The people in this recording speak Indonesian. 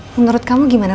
menurut kamu gimana